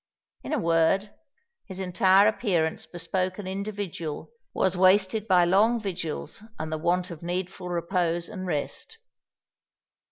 In a word, his entire appearance bespoke an individual whose health was wasted by long vigils and the want of needful repose and rest.